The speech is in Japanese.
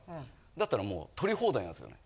だったらもう録り放題なんですよね。